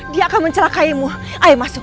dia akan mencelakaimu ayo masuk